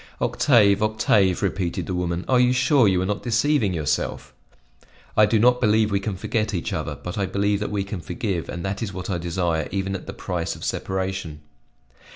"Octave, Octave," repeated the woman, "are you sure you are not deceiving yourself?" "I do not believe we can forget each other; but I believe that we can forgive and that is what I desire even at the price of separation."